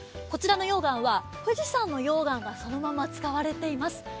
こちらの溶岩は富士山の溶岩がそのまま使われています。